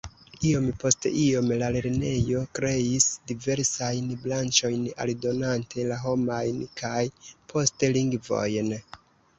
Iom post iom la lernejo kreis diversajn branĉojn aldonante la homajn kaj poste lingvojn.